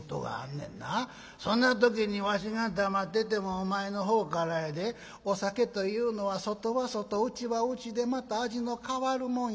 そんな時にわしが黙っててもお前のほうからやで『お酒というのは外は外内は内でまた味の変わるもんやそうです。